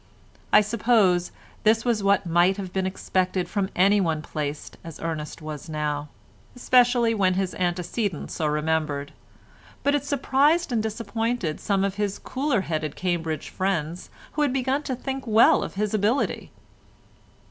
I suppose this was what might have been expected from anyone placed as Ernest now was, especially when his antecedents are remembered, but it surprised and disappointed some of his cooler headed Cambridge friends who had begun to think well of his ability.